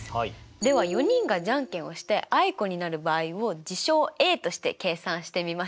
では４人がじゃんけんをしてあいこになる場合を事象Ａとして計算してみましょう。